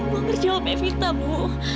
bu ambar jawab evita bu